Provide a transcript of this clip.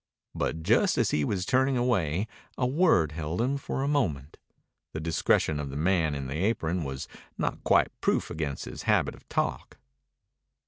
But just as he was turning away a word held him for a moment. The discretion of the man in the apron was not quite proof against his habit of talk.